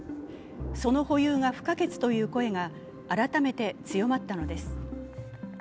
その保有が不可欠という声が改めて強まったのです。